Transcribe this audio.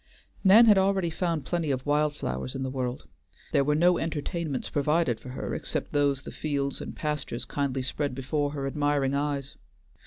Nan had already found plenty of wild flowers in the world; there were no entertainments provided for her except those the fields and pastures kindly spread before her admiring eyes.